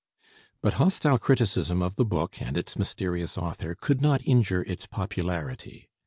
But hostile criticism of the book and its mysterious author could not injure its popularity.